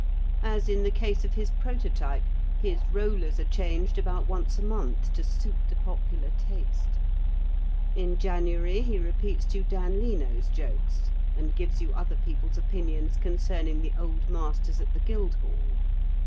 As in the case of his prototype, his rollers are changed about once a month to suit the popular taste. In January he repeats to you Dan Leno's jokes, and gives you other people's opinions concerning the Old Masters at the Guild hall.